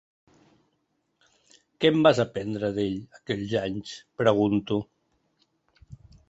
Què en vas aprendre, d’ell, aquells anys?, pregunto.